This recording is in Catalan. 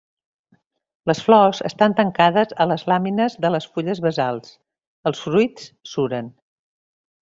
Les flors estan tancades a les làmines de les fulles basals, els fruits suren.